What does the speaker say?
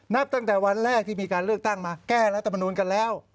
นับตั้งแต่วันแรกที่มีการเลือกตั้งมาแก้รัฐมนูลกันแล้ว